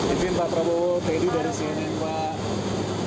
ini mbak prabowo teddy dari cnn pak